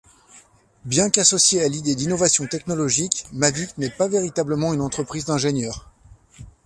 Bien qu’associée à l’idée d’innovation technologique, Mavic n’est pas véritablement une entreprise d’ingénieurs.